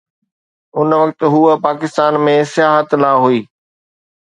ان وقت هوءَ پاڪستان ۾ سياحت لاءِ هئي.